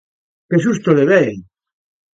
Que susto levei!